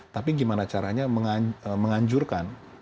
tapi gimana caranya menganjurkan